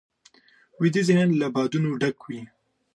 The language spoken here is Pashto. ویده ذهن له یادونو ډک وي